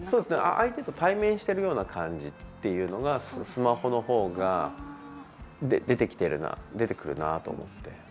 相手と対面してるような感じっていうのがスマホの方が出てくるなと思って。